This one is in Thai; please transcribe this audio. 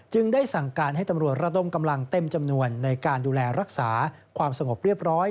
ได้สั่งการให้ตำรวจระดมกำลังเต็มจำนวนในการดูแลรักษาความสงบเรียบร้อย